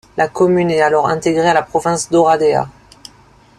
La commune est alors intégrée à la province d'Oradea.